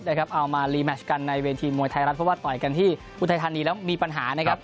เอามารีแมชกันในเวทีมวยไทยรัฐเพราะว่าต่อยกันที่อุทัยธานีแล้วมีปัญหานะครับ